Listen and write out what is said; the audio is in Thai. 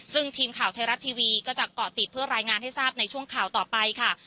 ซึ่งทีมข่าวไทยรัฐทีวีก็จะเกาะติดเพื่อรายงานให้ทราบในช่วงข่าวต่อไปค่ะ